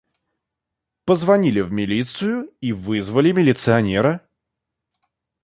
Позвонили в милицию и вызвали милиционера.